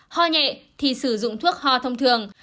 ho nhẹ thì sử dụng thuốc ho thông thường